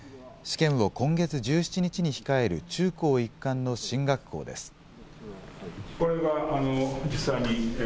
試験を今月１７日に控える中高一貫の進学校です。